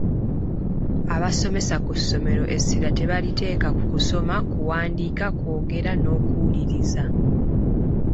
Abasomesa ku ssomero essira tebaliteeka ku kusoma, kuwandiika, kwogera n'okuwuliriza.